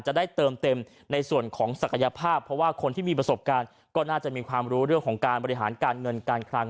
จะได้เติมเต็มในส่วนของศักยภาพเพราะว่าคนที่มีประสบการณ์ก็น่าจะมีความรู้เรื่องของการบริหารการเงินการคลัง